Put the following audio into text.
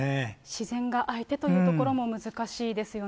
自然が相手というところも難しいですよね。